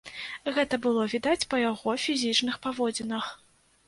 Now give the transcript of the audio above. Гэта было відаць па яго фізічных паводзінах.